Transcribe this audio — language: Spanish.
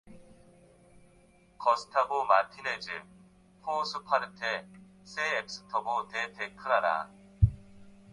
Gustavo Martínez, por su parte, se abstuvo de declarar.